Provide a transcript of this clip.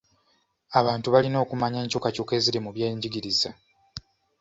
Abantu balina okumanya enkyukakyuka eziri mu byenjigiriza.